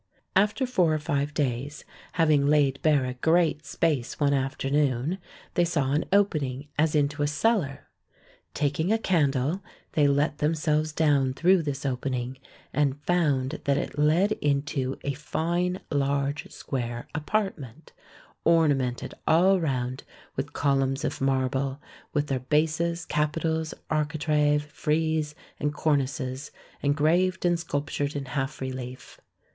After four or five days, having laid bare a great space one afternoon, they saw an opening as into a cellar. Taking a candle, they let themselves down through this opening, and found that it led into a fine large square apartment, ornamented all round with columns of marble, with their bases, capitals, archi trave, frieze, and cornices, engraved and sculptured THE TOMB OF KING MAUSOLUS 147 in half relief.